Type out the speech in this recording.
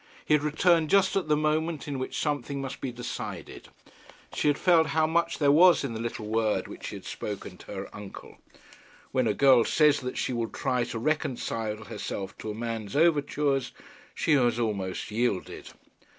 He had returned just at the moment in which something must be decided. She had felt how much there was in the little word which she had spoken to her uncle. When a girl says that she will try to reconcile herself to a man's overtures, she has almost yielded.